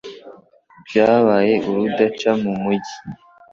byabaye urudaca mu mugi